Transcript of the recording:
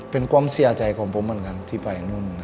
เป็นความเสียใจของผมเหมือนกันที่ไปนู่น